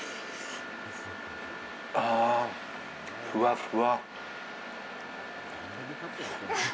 ふわふわ。